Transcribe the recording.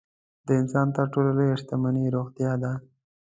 د انسان تر ټولو لویه شتمني روغتیا ده.